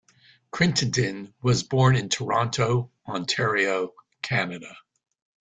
Crittenden was born in Toronto, Ontario, Canada.